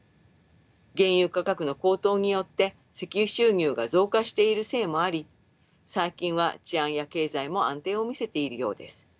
原油価格の高騰によって石油収入が増加しているせいもあり最近は治安や経済も安定を見せているようです。